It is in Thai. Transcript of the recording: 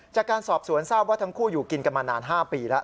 จากการสอบสวนทราบว่าทั้งคู่อยู่กินกันมานาน๕ปีแล้ว